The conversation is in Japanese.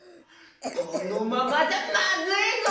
このままじゃまずいぞ！